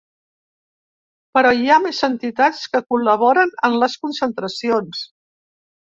Però hi ha més entitats que col·laboren en les concentracions.